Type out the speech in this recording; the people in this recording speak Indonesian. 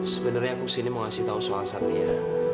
sebenernya aku kesini mau ngasih tau soal satria